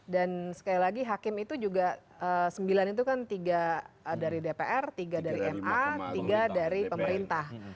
dan sekali lagi hakim itu juga sembilan itu kan tiga dari dpr tiga dari ma tiga dari pemerintah